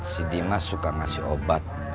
si dimas suka ngasih obat